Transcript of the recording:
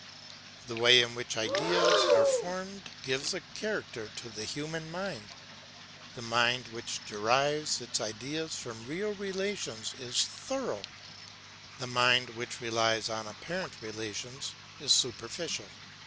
The way in which ideas are formed gives a character to the human mind. The mind which derives its ideas from real relations is thorough; the mind which relies on apparent relations is superficial.